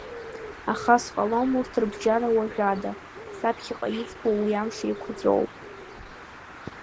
Аха сҟалом урҭ рыбжьара уажәада, саԥхьаҟа избо уи амш еиқәаҵәоуп.